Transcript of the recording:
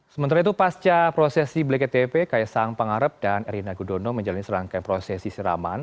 sementara itu pasca prosesi bleketv kaisang pangarep dan erina gudono menjalani serangkaian prosesi siraman